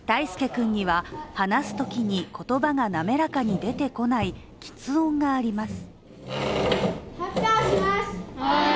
泰丞君には話すときに言葉が滑らかに出てこないきつ音があります。